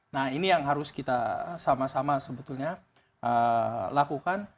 nah ini yang harus kita sama sama sebetulnya lakukan